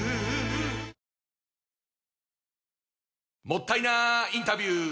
もったいなインタビュー！